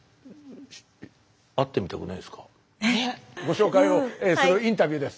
ご紹介をそのインタビューです。